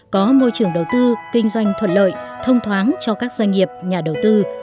có môi trường đầu tư kinh doanh thuận lợi thông thoáng cho các doanh nghiệp nhà đầu tư